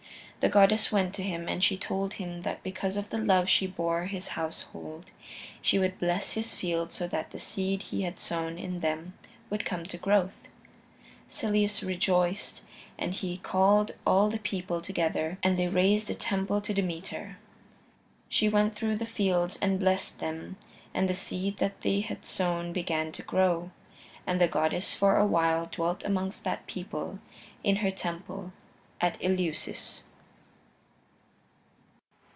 The goddess went to him and she told him that because of the love she bore his household she would bless his fields so that the seed he had sown in them would come to growth. Celeus rejoiced, and he called all the people together, and they raised a temple to Demeter. She went through the fields and blessed them, and the seed that they had sown began to grow. And the goddess for a while dwelt amongst that people, in her temple at Eleusis.